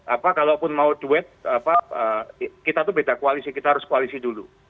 apa kalaupun mau duet kita tuh beda koalisi kita harus koalisi dulu